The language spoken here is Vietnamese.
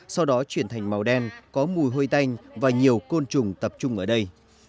sau đó chuyển thành màu đen có mùi hôi tanh và nhiều côn trùng tập trung ở đây